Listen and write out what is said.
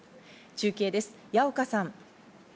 中継です、矢岡さん。